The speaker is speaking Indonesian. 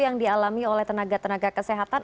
yang dialami oleh tenaga tenaga kesehatan